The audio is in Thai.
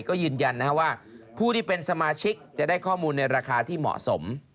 ก็ยืนยันว่าผู้ที่เป็นสมาชิกจะได้ข้อมูลในราคาที่เหมาะสม